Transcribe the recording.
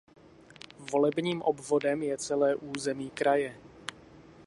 Volebním obvodem je celé území kraje.